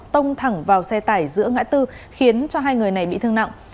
tông thẳng vào xe tải giữa ngã tư khiến cho hai người này bị thương nặng